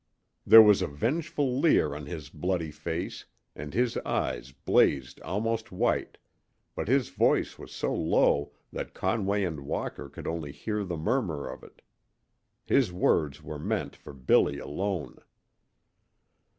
There was a vengeful leer on his bloody face and his eyes blazed almost white, but his voice was so low that Conway and Walker could only hear the murmur of it. His words were meant for Billy alone.